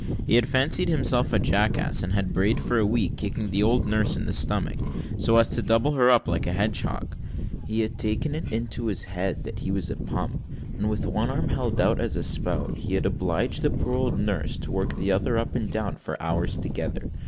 He had fancied himself a jackass, and had brayed for a week, kicking the old nurse in the stomach, so as to double her up like a hedgehog. He had taken it into his head that he was a pump; and with one arm held out as a spout, he had obliged the poor old nurse to work the other up and down for hours together.